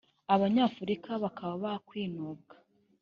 abanyafurika bakaba bakwinuba